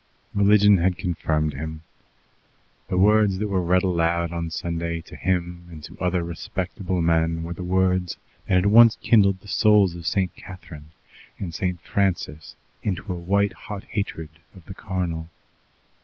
Religion had confirmed him. The words that were read aloud on Sunday to him and to other respectable men were the words that had once kindled the souls of St. Catharine and St. Francis into a white hot hatred of the carnal.